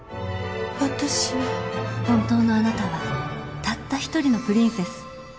本当のあなたはたった一人のプリンセス。